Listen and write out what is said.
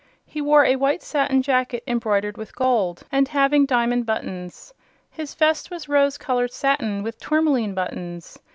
He wore a white satin jacket embroidered with gold, and having diamond buttons. His vest was rose colored satin, with tourmaline buttons.